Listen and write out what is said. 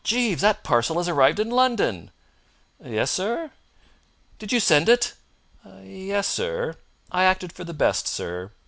"Jeeves, that parcel has arrived in London!" "Yes, sir?" "Did you send it?" "Yes, sir. I acted for the best, sir.